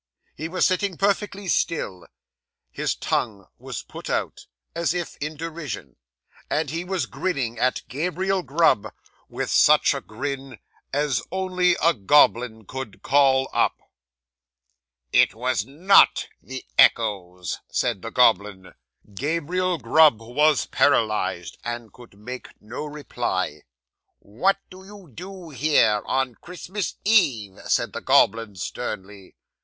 He was sitting perfectly still; his tongue was put out, as if in derision; and he was grinning at Gabriel Grub with such a grin as only a goblin could call up. '"It was _not _the echoes," said the goblin. 'Gabriel Grub was paralysed, and could make no reply. '"What do you do here on Christmas Eve?" said the goblin sternly.